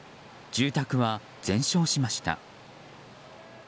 住宅は全焼しました。